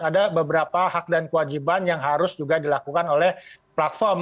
ada beberapa hak dan kewajiban yang harus juga dilakukan oleh platform